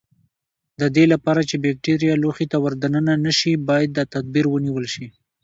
د دې لپاره چې بکټریا لوښي ته ور دننه نشي باید تدابیر ونیول شي.